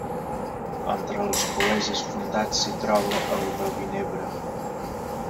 Entre els col·legis fundats s'hi troba el de Vinebre.